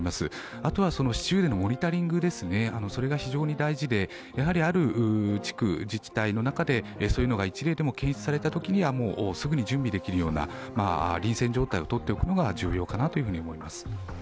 あとは市中でのモニタリングが非常に大事である地区、自治体の中でそういうのが一例でも検出されたときにはすぐに準備できるような臨戦状態をとっておくことが重要かなと思います。